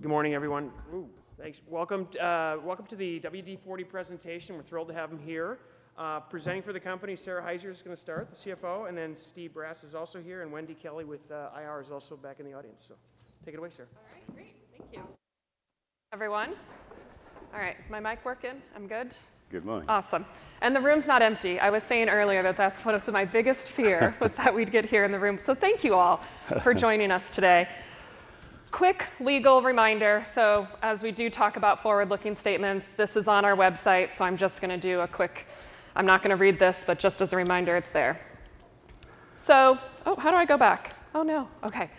Good morning, everyone. Thanks. Welcome to the WD-40 presentation. We're thrilled to have them here. Presenting for the company, Sara Hyzer is going to start, the CFO, and then Steve Brass is also here, and Wendy Kelley with IR is also back in the audience. So take it away, sir. All right. Great. Thank you, everyone. All right. Is my mic working? I'm good. Good morning. Awesome. And the room's not empty. I was saying earlier that that's one of my biggest fears was that we'd get here in the room. So thank you all for joining us today. Quick legal reminder. So as we do talk about forward-looking statements, this is on our website. So I'm just going to do a quick. I'm not going to read this, but just as a reminder, it's there. So oh, how do I go back? Oh, no. OK.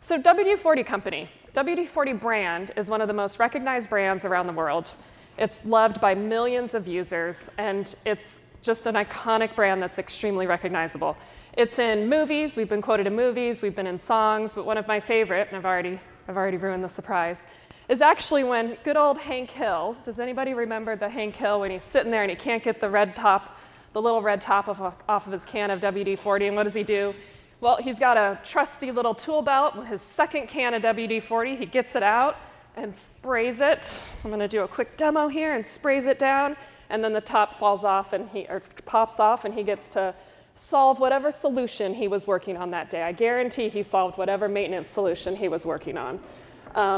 So WD-40 Company, WD-40 brand is one of the most recognized brands around the world. It's loved by millions of users, and it's just an iconic brand that's extremely recognizable. It's in movies. We've been quoted in movies. We've been in songs. But one of my favorite, and I've already ruined the surprise, is actually when good old Hank Hill, does anybody remember Hank Hill when he's sitting there and he can't get the red top, the little red top off of his can of WD-40? And what does he do? Well, he's got a trusty little tool belt with his second can of WD-40. He gets it out and sprays it. I'm going to do a quick demo here and sprays it down. And then the top falls off and he pops off, and he gets to solve whatever solution he was working on that day. I guarantee he solved whatever maintenance solution he was working on.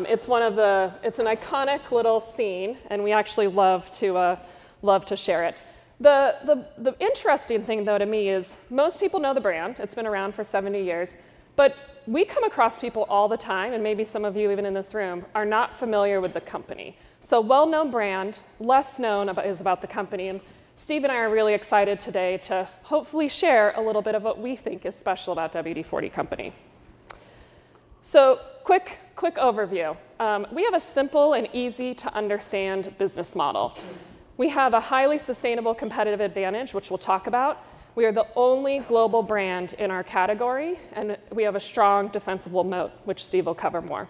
It's an iconic little scene, and we actually love to share it. The interesting thing, though, to me is most people know the brand. It's been around for 70 years. We come across people all the time, and maybe some of you, even in this room, are not familiar with the company. Well-known brand, less known is about the company. Steve and I are really excited today to hopefully share a little bit of what we think is special about WD-40 Company. Quick overview. We have a simple and easy-to-understand business model. We have a highly sustainable competitive advantage, which we'll talk about. We are the only global brand in our category, and we have a strong defensible moat, which Steve will cover more.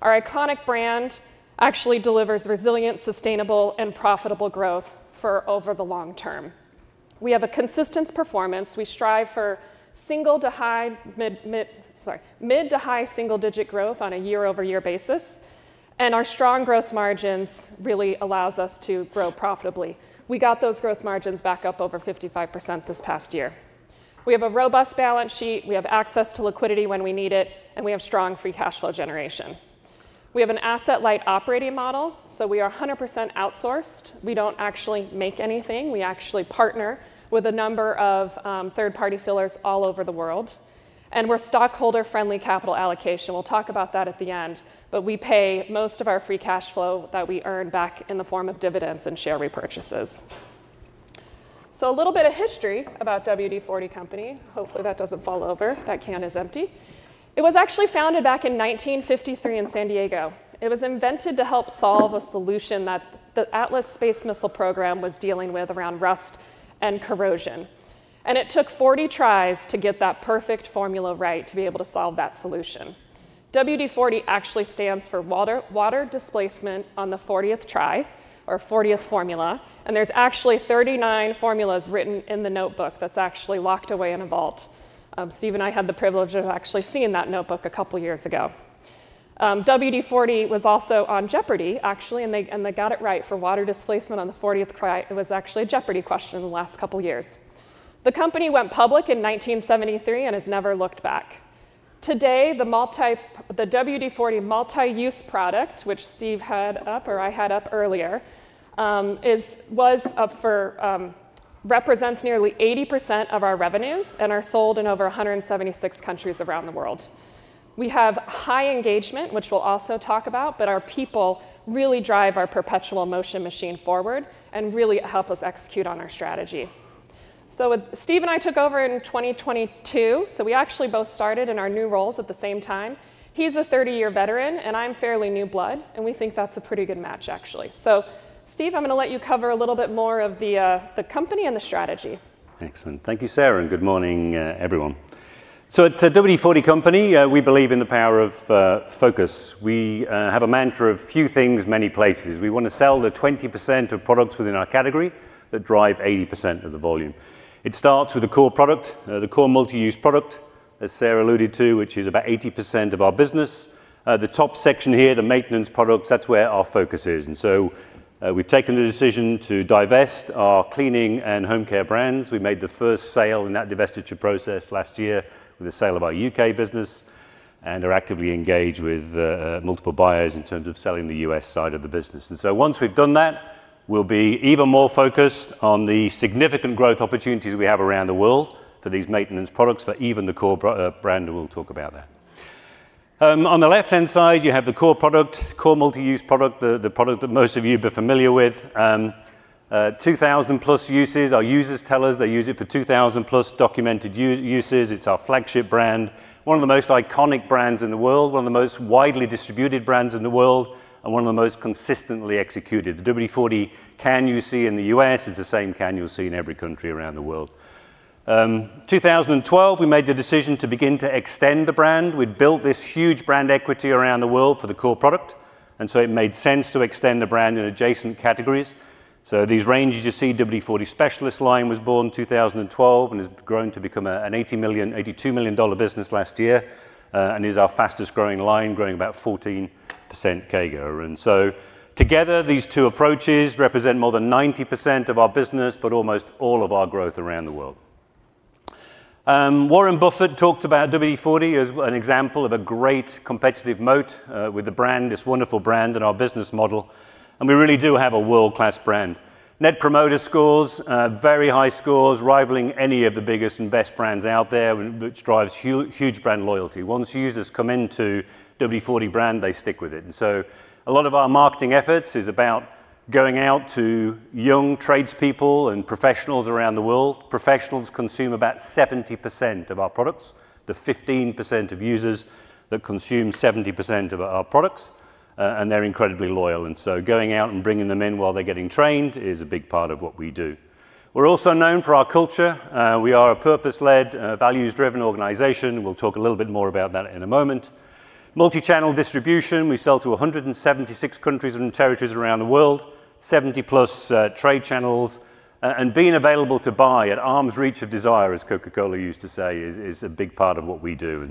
Our iconic brand actually delivers resilient, sustainable, and profitable growth over the long term. We have a consistent performance. We strive for mid- to high single-digit growth on a year-over-year basis. Our strong gross margins really allow us to grow profitably. We got those gross margins back up over 55% this past year. We have a robust balance sheet. We have access to liquidity when we need it, and we have strong free cash flow generation. We have an asset-light operating model, so we are 100% outsourced. We don't actually make anything. We actually partner with a number of third-party fillers all over the world. And we're stockholder-friendly capital allocation. We'll talk about that at the end. But we pay most of our free cash flow that we earn back in the form of dividends and share repurchases. So a little bit of history about WD-40 Company. Hopefully, that doesn't fall over. That can is empty. It was actually founded back in 1953 in San Diego. It was invented to help solve a solution that the Atlas Space Missile Program was dealing with around rust and corrosion. It took 40 tries to get that perfect formula right to be able to solve that solution. WD-40 actually stands for water displacement on the 40th try or 40th formula. There's actually 39 formulas written in the notebook that's actually locked away in a vault. Steve and I had the privilege of actually seeing that notebook a couple of years ago. WD-40 was also on Jeopardy, actually, and they got it right for water displacement on the 40th try. It was actually a Jeopardy question in the last couple of years. The company went public in 1973 and has never looked back. Today, the WD-40 Multi-Use Product, which Steve had up or I had up earlier, represents nearly 80% of our revenues and is sold in over 176 countries around the world. We have high engagement, which we'll also talk about, but our people really drive our perpetual motion machine forward and really help us execute on our strategy. So Steve and I took over in 2022, so we actually both started in our new roles at the same time. He's a 30-year veteran, and I'm fairly new blood, and we think that's a pretty good match, actually. So Steve, I'm going to let you cover a little bit more of the company and the strategy. Excellent. Thank you, Sara, and good morning, everyone. So at WD-40 Company, we believe in the power of focus. We have a mantra of few things, many places. We want to sell the 20% of products within our category that drive 80% of the volume. It starts with the core product, the core multi-use product, as Sara alluded to, which is about 80% of our business. The top section here, the maintenance products, that's where our focus is. And so we've taken the decision to divest our cleaning and home care brands. We made the first sale in that divestiture process last year with the sale of our U.K. business and are actively engaged with multiple buyers in terms of selling the U.S. side of the business. And so once we've done that, we'll be even more focused on the significant growth opportunities we have around the world for these maintenance products, for even the core brand, and we'll talk about that. On the left-hand side, you have the core product, core multi-use product, the product that most of you have been familiar with. 2,000-plus uses. Our users tell us they use it for 2,000-plus documented uses. It's our flagship brand, one of the most iconic brands in the world, one of the most widely distributed brands in the world, and one of the most consistently executed. The WD-40 can you see in the U.S. is the same can you'll see in every country around the world. In 2012, we made the decision to begin to extend the brand. We'd built this huge brand equity around the world for the core product, and so it made sense to extend the brand in adjacent categories, so these ranges you see, WD-40 Specialist line was born in 2012 and has grown to become an $82 million business last year and is our fastest growing line, growing about 14% CAGR, and so together, these two approaches represent more than 90% of our business, but almost all of our growth around the world. Warren Buffett talked about WD-40 as an example of a great competitive moat with the brand, this wonderful brand and our business model, and we really do have a world-class brand. Net Promoter Scores, very high scores, rivaling any of the biggest and best brands out there, which drives huge brand loyalty. Once users come into WD-40 brand, they stick with it. A lot of our marketing efforts is about going out to young tradespeople and professionals around the world. Professionals consume about 70% of our products. The 15% of users that consume 70% of our products, and they're incredibly loyal. Going out and bringing them in while they're getting trained is a big part of what we do. We're also known for our culture. We are a purpose-led, values-driven organization. We'll talk a little bit more about that in a moment. Multi-channel distribution. We sell to 176 countries and territories around the world, 70-plus trade channels. Being available to buy at arm's reach of desire, as Coca-Cola used to say, is a big part of what we do.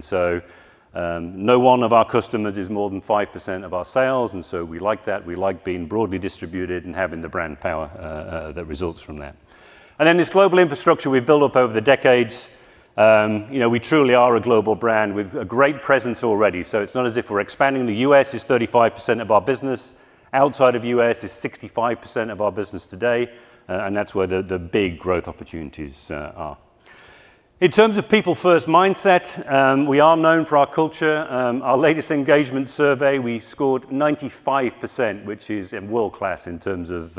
No one of our customers is more than 5% of our sales. We like that. We like being broadly distributed and having the brand power that results from that. And then this global infrastructure we've built up over the decades. We truly are a global brand with a great presence already. So it's not as if we're expanding. The U.S. is 35% of our business. Outside of the U.S. is 65% of our business today. And that's where the big growth opportunities are. In terms of people-first mindset, we are known for our culture. Our latest engagement survey, we scored 95%, which is world-class in terms of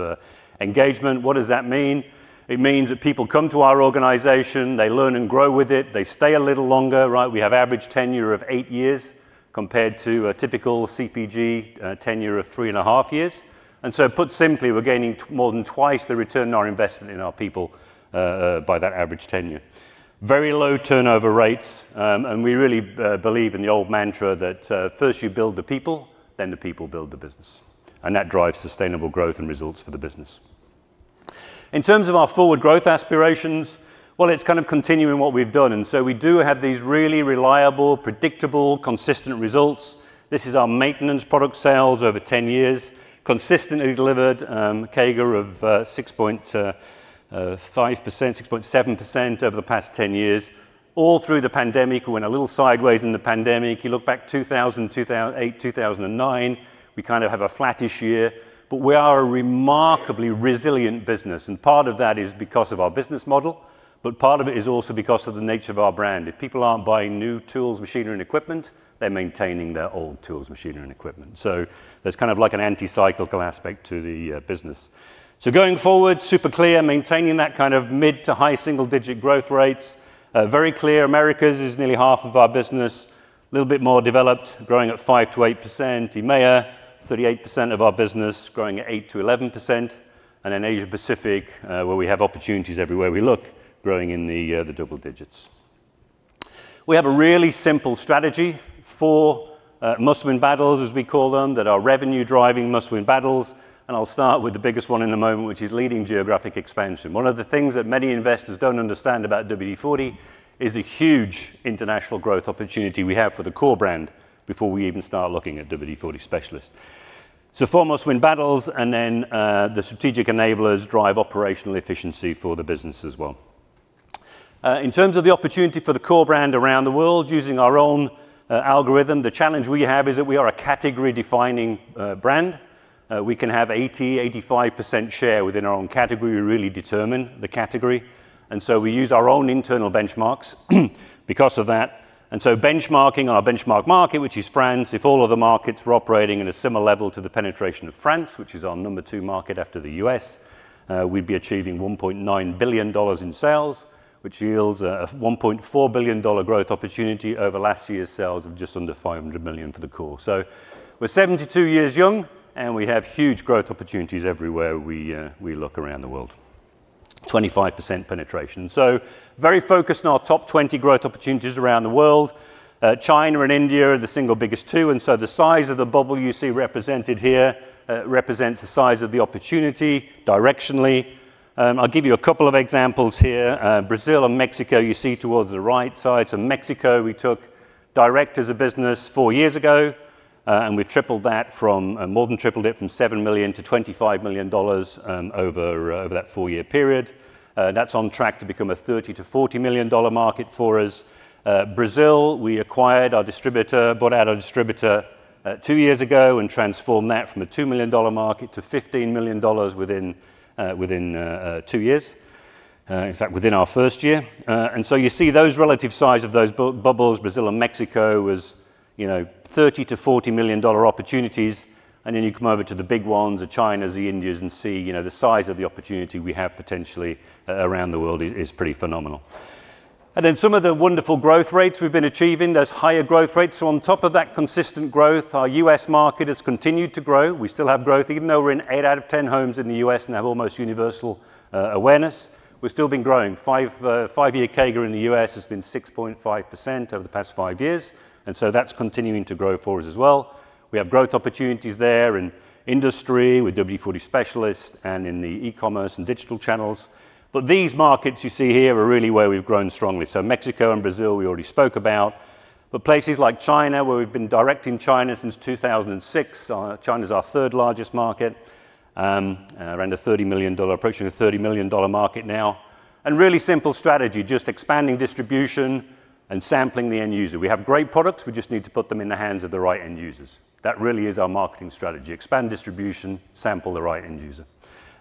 engagement. What does that mean? It means that people come to our organization, they learn and grow with it, they stay a little longer. We have an average tenure of eight years compared to a typical CPG tenure of three and a half years. And so put simply, we're gaining more than twice the return on our investment in our people by that average tenure. Very low turnover rates. And we really believe in the old mantra that first you build the people, then the people build the business. And that drives sustainable growth and results for the business. In terms of our forward growth aspirations, well, it's kind of continuing what we've done. And so we do have these really reliable, predictable, consistent results. This is our maintenance product sales over 10 years, consistently delivered CAGR of 6.7% over the past 10 years, all through the pandemic. We went a little sideways in the pandemic. You look back 2008, 2009, we kind of have a flattish year. But we are a remarkably resilient business. Part of that is because of our business model, but part of it is also because of the nature of our brand. If people aren't buying new tools, machinery, and equipment, they're maintaining their old tools, machinery, and equipment. There's kind of like an anti-cyclical aspect to the business. Going forward, super clear, maintaining that kind of mid- to high-single-digit growth rates. Very clear, Americas is nearly half of our business. A little bit more developed, growing at 5%-8%. EMEA, 38% of our business, growing at 8%-11%. In Asia-Pacific, where we have opportunities everywhere we look, growing in the double digits. We have a really simple strategy, four Must-Win Battles, as we call them, that are revenue-driving Must-Win Battles. I'll start with the biggest one at the moment, which is leading geographic expansion. One of the things that many investors don't understand about WD-40 is the huge international growth opportunity we have for the core brand before we even start looking at WD-40 Specialist. Four Must-Win Battles, and then the strategic enablers drive operational efficiency for the business as well. In terms of the opportunity for the core brand around the world, using our own algorithm, the challenge we have is that we are a category-defining brand. We can have 80%, 85% share within our own category. We really determine the category. And so we use our own internal benchmarks because of that. And so, benchmarking our benchmark market, which is France, if all of the markets were operating at a similar level to the penetration of France, which is our number two market after the U.S., we'd be achieving $1.9 billion in sales, which yields a $1.4 billion growth opportunity over last year's sales of just under $500 million for the core. So we're 72 years young, and we have huge growth opportunities everywhere we look around the world, 25% penetration. So very focused on our top 20 growth opportunities around the world. China and India are the single biggest two. And so the size of the bubble you see represented here represents the size of the opportunity directionally. I'll give you a couple of examples here. Brazil and Mexico, you see towards the right side. Mexico, we took direct as a business four years ago, and we've more than tripled it from $7 million to $25 million over that four-year period. That's on track to become a $30-$40 million market for us. Brazil, we acquired our distributor, bought out our distributor two years ago, and transformed that from a $2 million market to $15 million within two years, in fact, within our first year. You see those relative size of those bubbles. Brazil and Mexico was $30-$40 million opportunities. Then you come over to the big ones, China, India, and see the size of the opportunity we have potentially around the world is pretty phenomenal. Some of the wonderful growth rates we've been achieving, those higher growth rates. So on top of that consistent growth, our U.S. market has continued to grow. We still have growth, even though we're in 8 out of 10 homes in the U.S. and have almost universal awareness. We've still been growing. Five-year CAGR in the U.S. has been 6.5% over the past five years. And so that's continuing to grow for us as well. We have growth opportunities there in industry with WD-40 Specialist and in the e-commerce and digital channels. But these markets you see here are really where we've grown strongly. So Mexico and Brazil, we already spoke about. But places like China, where we've been in China since 2006, China's our third largest market, around a $30 million, approaching a $30 million market now. And really simple strategy, just expanding distribution and sampling the end user. We have great products. We just need to put them in the hands of the right end users. That really is our marketing strategy. Expand distribution, sample the right end user.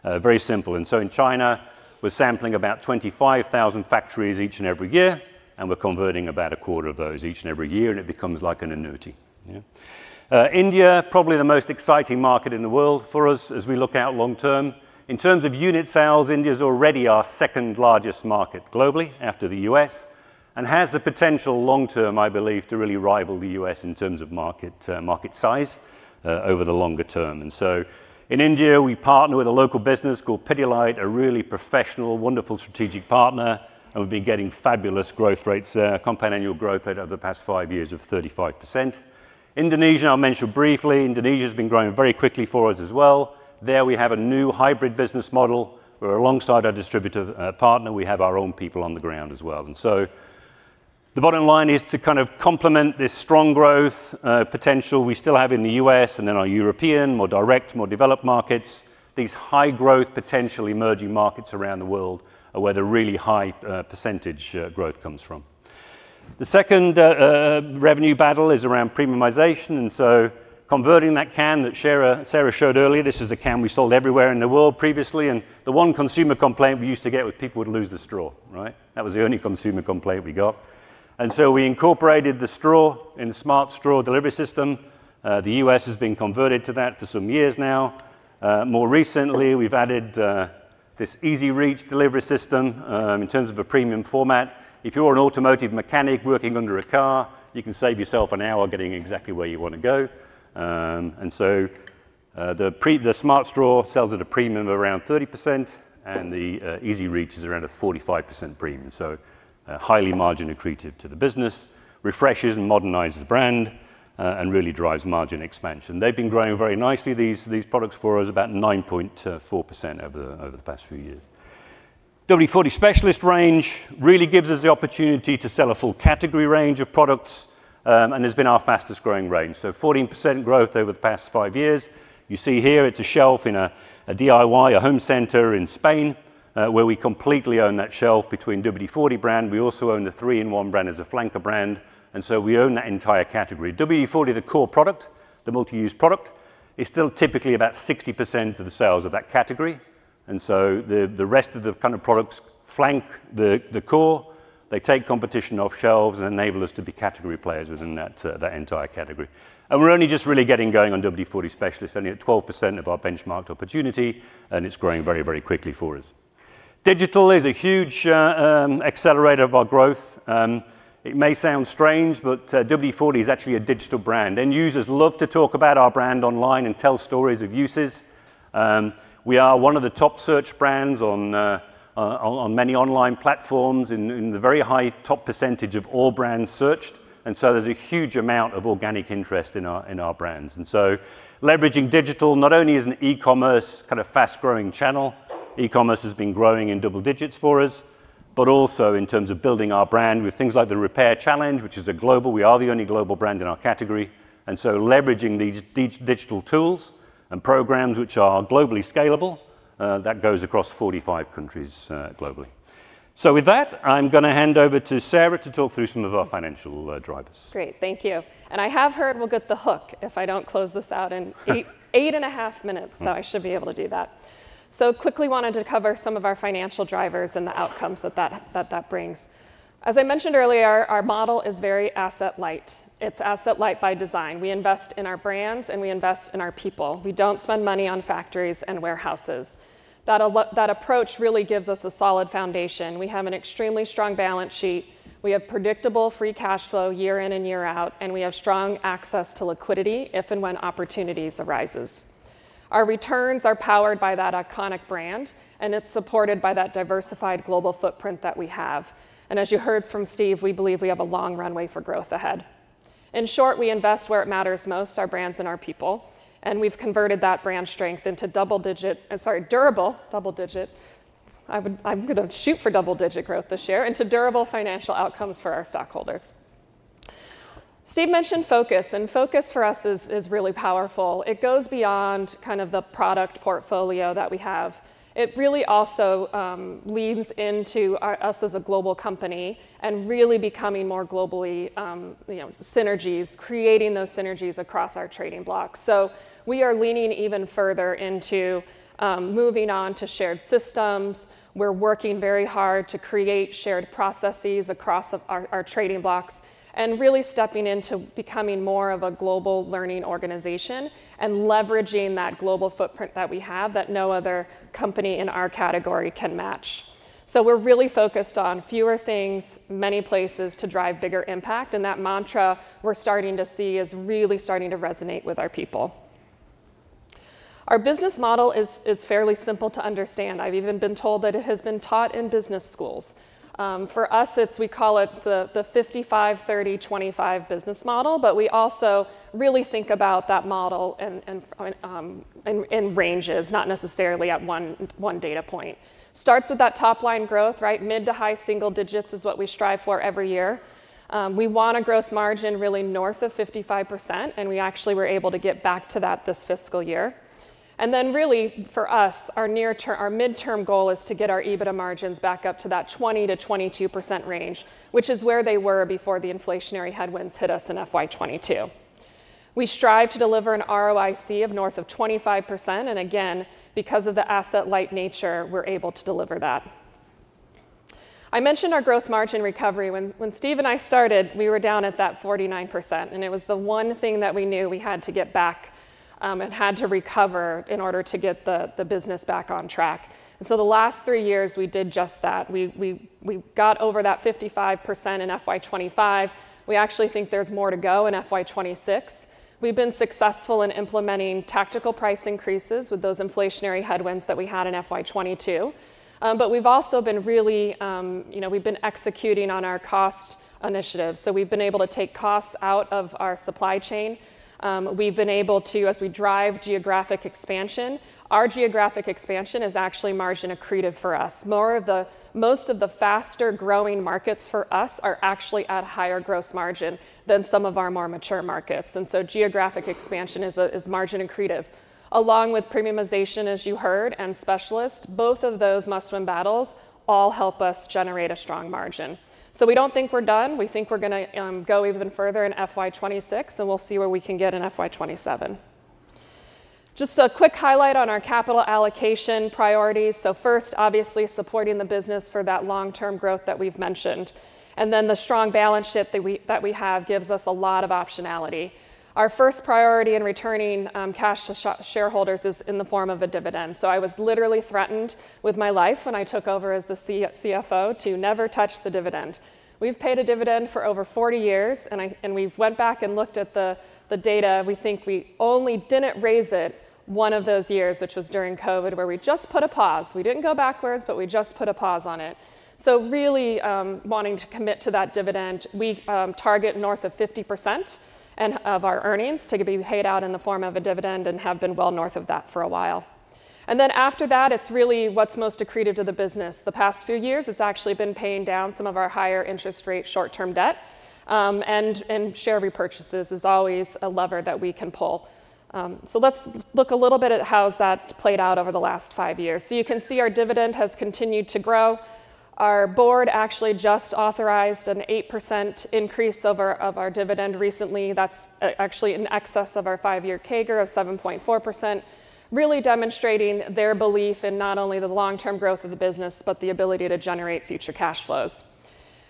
Very simple, and so in China, we're sampling about 25,000 factories each and every year, and we're converting about a quarter of those each and every year, and it becomes like an annuity. India, probably the most exciting market in the world for us as we look out long term. In terms of unit sales, India is already our second largest market globally after the U.S. and has the potential long term, I believe, to really rival the U.S. in terms of market size over the longer term. And so in India, we partner with a local business called Pidilite, a really professional, wonderful strategic partner, and we've been getting fabulous growth rates, compound annual growth rate over the past five years of 35%. Indonesia, I'll mention briefly, Indonesia has been growing very quickly for us as well. There we have a new hybrid business model where, alongside our distributor partner, we have our own people on the ground as well. And so the bottom line is to kind of complement this strong growth potential we still have in the U.S. and then our European, more direct, more developed markets, these high growth potential emerging markets around the world are where the really high percentage growth comes from. The second revenue battle is around premiumization. And so converting that can that Sara showed earlier, this is a can we sold everywhere in the world previously. And the one consumer complaint we used to get was people would lose the straw, right? That was the only consumer complaint we got. And so we incorporated the straw in a Smart Straw delivery system. The U.S. has been converted to that for some years now. More recently, we've added this EZ-Reach delivery system in terms of a premium format. If you're an automotive mechanic working under a car, you can save yourself an hour getting exactly where you want to go. And so the Smart Straw sells at a premium of around 30%, and the EZ-Reach is around a 45% premium. So highly margin accretive to the business, refreshes and modernizes the brand and really drives margin expansion. They've been growing very nicely, these products for us, about 9.4% over the past few years. WD-40 Specialist range really gives us the opportunity to sell a full category range of products, and has been our fastest growing range. So 14% growth over the past five years. You see here, it's a shelf in a DIY, a home center in Spain, where we completely own that shelf between WD-40 brand. We also own the 3-IN-ONE brand as a flanker brand. And so we own that entire category. WD-40, the core product, the multi-use product, is still typically about 60% of the sales of that category. And so the rest of the kind of products flank the core. They take competition off shelves and enable us to be category players within that entire category. And we're only just really getting going on WD-40 Specialist, only at 12% of our benchmarked opportunity, and it's growing very, very quickly for us. Digital is a huge accelerator of our growth. It may sound strange, but WD-40 is actually a digital brand. End users love to talk about our brand online and tell stories of uses. We are one of the top search brands on many online platforms in the very high top percentage of all brands searched. And so there's a huge amount of organic interest in our brands. And so leveraging digital not only as an e-commerce kind of fast-growing channel, e-commerce has been growing in double digits for us, but also in terms of building our brand with things like the Repair Challenge, which is a global we are the only global brand in our category. And so leveraging these digital tools and programs, which are globally scalable, that goes across 45 countries globally. So with that, I'm going to hand over to Sara to talk through some of our financial drivers. Great. Thank you. And I have heard we'll get the hook if I don't close this out in eight and a half minutes. So I should be able to do that. So quickly wanted to cover some of our financial drivers and the outcomes that that brings. As I mentioned earlier, our model is very asset-light. It's asset-light by design. We invest in our brands, and we invest in our people. We don't spend money on factories and warehouses. That approach really gives us a solid foundation. We have an extremely strong balance sheet. We have predictable free cash flow year in and year out, and we have strong access to liquidity if and when opportunities arise. Our returns are powered by that iconic brand, and it's supported by that diversified global footprint that we have. As you heard from Steve, we believe we have a long runway for growth ahead. In short, we invest where it matters most, our brands and our people. We've converted that brand strength into double-digit, sorry, durable double-digit. I'm going to shoot for double-digit growth this year into durable financial outcomes for our stockholders. Steve mentioned focus, and focus for us is really powerful. It goes beyond kind of the product portfolio that we have. It really also leads into us as a global company and really becoming more global synergies, creating those synergies across our trading blocks. We are leaning even further into moving on to shared systems. We're working very hard to create shared processes across our trading blocks and really stepping into becoming more of a global learning organization and leveraging that global footprint that we have that no other company in our category can match. So we're really focused on fewer things, many places to drive bigger impact, and that mantra we're starting to see is really starting to resonate with our people. Our business model is fairly simple to understand. I've even been told that it has been taught in business schools. For us, we call it the 55-30-25 Business Model, but we also really think about that model in ranges, not necessarily at one data point. Starts with that top line growth, right? Mid to high single digits is what we strive for every year. We want a gross margin really north of 55%, and we actually were able to get back to that this fiscal year, and then really for us, our midterm goal is to get our EBITDA margins back up to that 20% to 22% range, which is where they were before the inflationary headwinds hit us in FY 2022. We strive to deliver an ROIC of north of 25%, and again, because of the asset-light nature, we're able to deliver that. I mentioned our gross margin recovery. When Steve and I started, we were down at that 49%, and it was the one thing that we knew we had to get back and had to recover in order to get the business back on track, and so the last three years, we did just that. We got over that 55% in FY 2025. We actually think there's more to go in FY 2026. We've been successful in implementing tactical price increases with those inflationary headwinds that we had in FY 2022. But we've also been executing on our cost initiative. So we've been able to take costs out of our supply chain. We've been able to, as we drive geographic expansion, our geographic expansion is actually margin accretive for us. Most of the faster growing markets for us are actually at higher gross margin than some of our more mature markets. And so geographic expansion is margin accretive. Along with premiumization, as you heard, and Specialist, both of those Must-Win Battles all help us generate a strong margin. So we don't think we're done. We think we're going to go even further in FY 2026, and we'll see where we can get in FY 2027. Just a quick highlight on our capital allocation priorities. So, first, obviously, supporting the business for that long-term growth that we've mentioned. And then the strong balance sheet that we have gives us a lot of optionality. Our first priority in returning cash to shareholders is in the form of a dividend. So I was literally threatened with my life when I took over as the CFO to never touch the dividend. We've paid a dividend for over 40 years, and we went back and looked at the data. We think we only didn't raise it one of those years, which was during COVID, where we just put a pause. We didn't go backwards, but we just put a pause on it. So really wanting to commit to that dividend, we target north of 50% of our earnings to be paid out in the form of a dividend and have been well north of that for a while. Then after that, it's really what's most accretive to the business. The past few years, it's actually been paying down some of our higher interest rate short-term debt. Share repurchases is always a lever that we can pull. Let's look a little bit at how has that played out over the last five years. You can see our dividend has continued to grow. Our board actually just authorized an 8% increase of our dividend recently. That's actually in excess of our five-year CAGR of 7.4%, really demonstrating their belief in not only the long-term growth of the business, but the ability to generate future cash flows.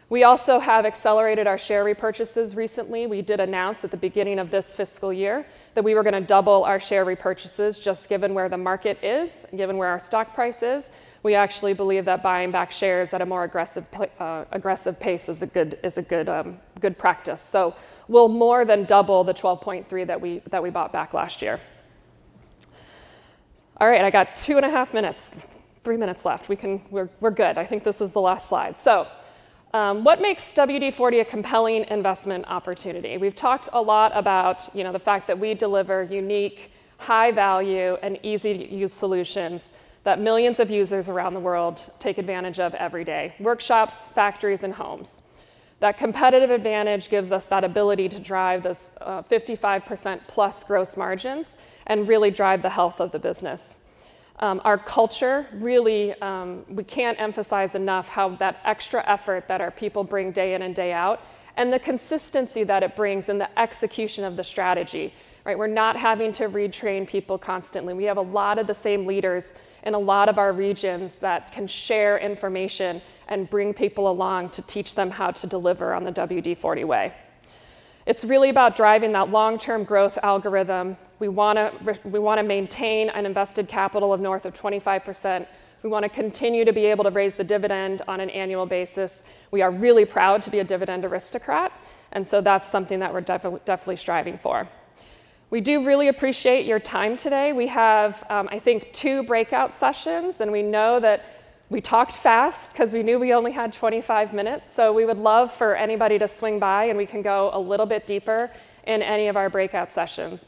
We also have accelerated our share repurchases recently. We did announce at the beginning of this fiscal year that we were going to double our share repurchases just given where the market is and given where our stock price is. We actually believe that buying back shares at a more aggressive pace is a good practice. So we'll more than double the 12.3 that we bought back last year. All right. I got two and a half minutes, three minutes left. We're good. I think this is the last slide. So what makes WD-40 a compelling investment opportunity? We've talked a lot about the fact that we deliver unique, high-value, and easy-to-use solutions that millions of users around the world take advantage of every day: workshops, factories, and homes. That competitive advantage gives us that ability to drive those 55% plus gross margins and really drive the health of the business. Our culture, really, we can't emphasize enough how that extra effort that our people bring day in and day out and the consistency that it brings in the execution of the strategy, right? We're not having to retrain people constantly. We have a lot of the same leaders in a lot of our regions that can share information and bring people along to teach them how to deliver on the WD-40 Way. It's really about driving that long-term growth algorithm. We want to maintain an invested capital of north of 25%. We want to continue to be able to raise the dividend on an annual basis. We are really proud to be a Dividend Aristocrat. And so that's something that we're definitely striving for. We do really appreciate your time today. We have, I think, two breakout sessions, and we know that we talked fast because we knew we only had 25 minutes. So we would love for anybody to swing by, and we can go a little bit deeper in any of our breakout sessions.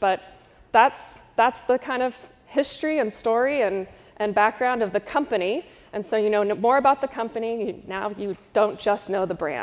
But that's the kind of history and story and background of the company. And so you know more about the company, now you don't just know the brand.